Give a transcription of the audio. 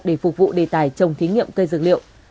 để phục vụ đề tài trồng thí nghiệm cây dược liệu